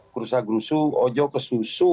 kerusa kerusu ojo kesusu